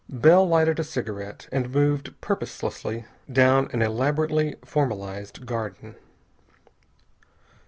Bell lighted a cigarette and moved purposelessly down an elaborately formalized garden.